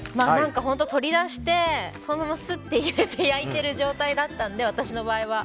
本当、取り出してそのまますっと入れて焼いている状態だったので私の場合は。